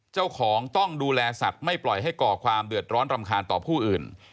เจ้าของต้องดูแลสัตว์ไม่ปล่อยให้ก่อความเดือดร้อนรำคาญต่อผู้อื่น